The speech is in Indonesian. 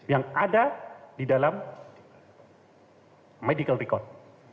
yang ada di dalam medical record